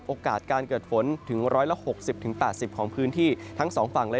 โอกาสการเกิดฝนถึง๑๖๐๘๐ของพื้นที่ทั้งสองฝั่งเลย